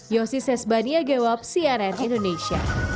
yosi sesbania gewab cnn indonesia